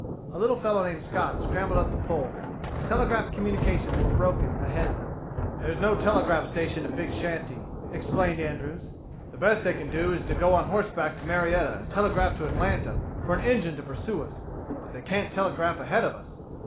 A little fellow named Scott scrambled up the pole. Telegraph communications were broken ahead of them. "There's no telegraph station at Big Shanty," explained Andrews. "The best they can do is to go on horseback to Marietta and telegraph to Atlanta for an engine to pursue us. But they can't telegraph ahead of us!